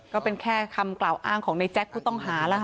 ก็เป็นแค่คำกล่าวอ้างของในแจ๊คผู้ต้องหาแล้วค่ะ